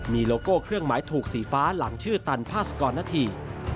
มีโลโก้เครื่องหมายถูกสีฟ้าหลังชื่อตันพาสกรณฐี